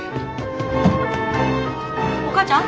お母ちゃん？